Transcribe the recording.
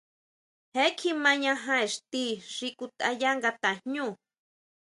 Je kjimañaja ixti xi kutʼayá nga tajñú.